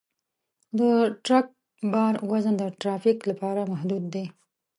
د ټرک بار وزن د ترافیک لپاره محدود دی.